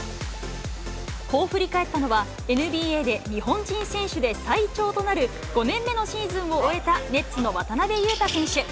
こう振り返ったのは、ＮＢＡで日本人選手で最長となる５年目のシーズンを終えたネッツの渡邊雄太選手。